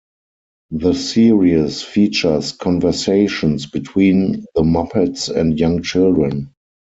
The series features conversations between the Muppets and young children.